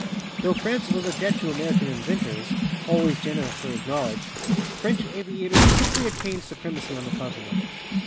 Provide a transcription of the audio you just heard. Though France owes a debt to American inventors, always generously acknowledged, French aviators quickly attained supremacy on the continent.